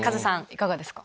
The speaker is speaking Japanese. いかがですか？